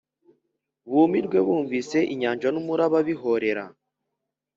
Bumirwe bumvise inyanja n umuraba bihorera